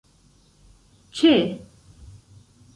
ĉe